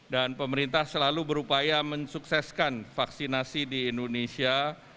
dan pemerintah selalu berupaya mensukseskan vaksinasi di indonesia